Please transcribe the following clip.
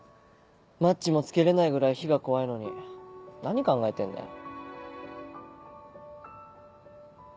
マッチも付けれないぐらい火が怖いのに何考えてんだよ。